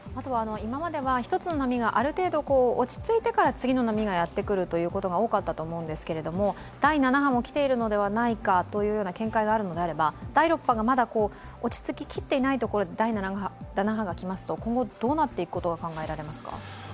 今までは一つの波がある程度落ち着いてから次の波がやってくることが多かったと思うんですが第７波も来ているのではないかという見解があるのであれば第６波がまだ落ち着ききっていないところで第７波が来ますと今後どうなっていくことが考えられますか？